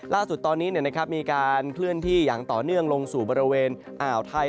ล่าสุดตอนนี้มีการเคลื่อนที่อย่างต่อเนื่องลงสู่บริเวณอ่าวไทย